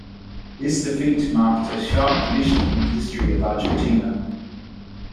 This defeat marked a sharp division in the history of Argentina.